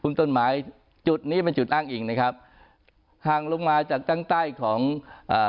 คุณต้นไม้จุดนี้เป็นจุดอ้างอิงนะครับห่างลงมาจากตั้งใต้ของอ่า